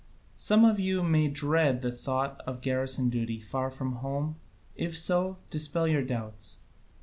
Some of you may dread the thought of garrison duty far from home; if so, dispel your doubts.